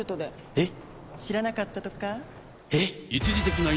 えっ⁉